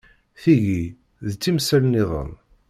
Tigi d timsal-nniḍen.